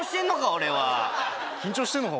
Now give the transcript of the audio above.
俺は緊張してんのか？